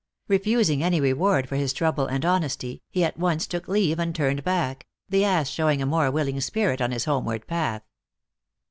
Kefusing any reward for his trouble and honesty, he at once took leave and turned back, the ass showing a more willing spirit on his homeward path.